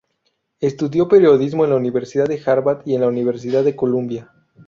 Estudió periodismo en la Universidad de Harvard y en la Universidad de Columbia.